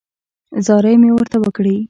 زارۍ مې ورته وکړې.